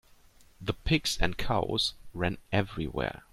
The pigs and cows ran everywhere.